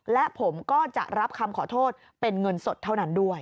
และผมก็จะรับคำขอโทษเป็นเงินสดเท่านั้นด้วย